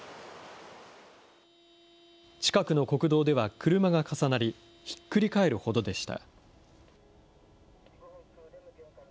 近くの国道では車が重なり、ひっくり返るほどでした。